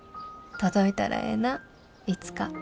届いたらええなあいつか。